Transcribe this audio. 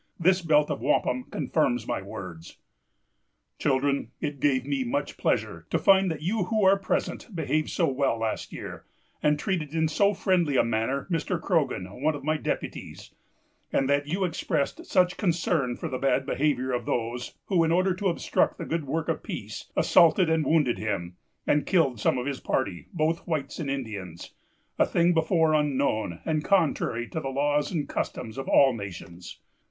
This belt of wampum confirms my words. "Children, it gave me much pleasure to find that you who are present behaved so well last year, and treated in so friendly a manner Mr. Croghan, one of my deputies; and that you expressed such concern for the bad behavior of those, who, in order to obstruct the good work of peace, assaulted and wounded him, and killed some of his party, both whites and Indians; a thing before unknown, and contrary to the laws and customs of all nations.